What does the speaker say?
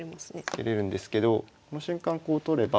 受けれるんですけどこの瞬間こう取れば。